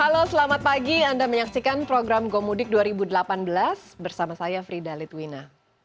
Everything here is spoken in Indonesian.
halo selamat pagi anda menyaksikan program gomudik dua ribu delapan belas bersama saya frida litwina